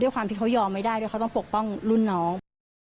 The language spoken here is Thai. ความที่เขายอมไม่ได้ด้วยเขาต้องปกป้องรุ่นน้อง